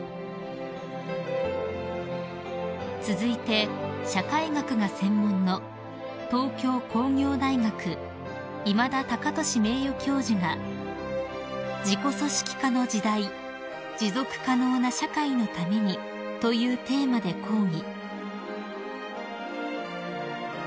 ［続いて社会学が専門の東京工業大学今田俊名誉教授が『自己組織化の時代―持続可能な社会のために』というテーマで講義］